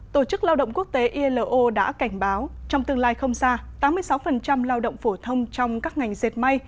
tổ chức lao động quốc tế ilo đã cảnh báo trong tương lai không xa tám mươi sáu lao động phổ thông trong các ngành dệt may